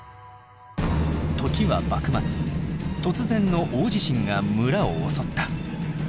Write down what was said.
時は幕末突然の大地震が村を襲った。